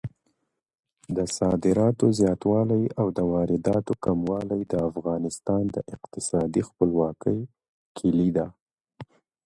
د صادراتو زیاتوالی او د وارداتو کموالی د افغانستان د اقتصادي خپلواکۍ کیلي ده.